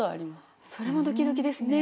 それもドキドキですね。